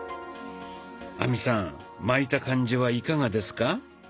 亜美さん巻いた感じはいかがですか？